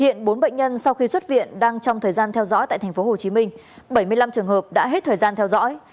hiện bốn bệnh nhân sau khi xuất viện đang trong thời gian theo dõi tại tp hcm bảy mươi năm trường hợp đã hết thời gian theo dõi